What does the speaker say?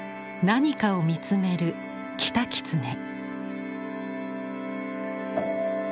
何かを見つめる「キタキツネ」。